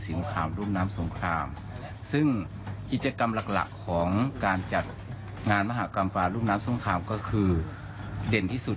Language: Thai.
สงของคุมสัญลักษณะควรอัเลิก